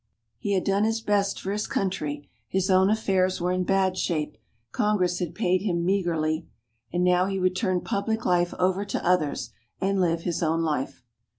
He had done his best for his country, his own affairs were in bad shape, Congress had paid him meagerly, and now he would turn public life over to others and live his own life.